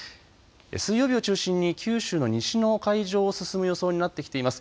水曜日を中心に九州の西の海上を進む予想になってきています。